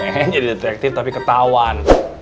nih jadi detektif tapi ketauan